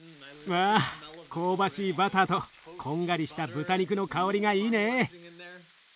わ香ばしいバターとこんがりした豚肉の香りがいいね。